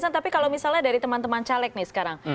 tapi kalau misalnya dari teman teman caleg nih sekarang